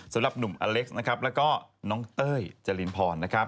สำหรับหนุ่มอเล็กและน้องเต้ยจรินพร